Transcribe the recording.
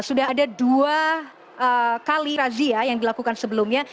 sudah ada dua kali razia yang dilakukan sebelumnya